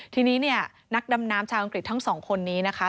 ทีนี้เนี่ยนักดำน้ำชาวอังกฤษทั้งสองคนนี้นะคะ